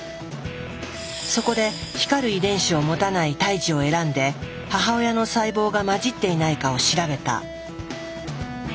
そこで光る遺伝子を持たない胎児を選んで母親の細胞が混じっていないかを調べた。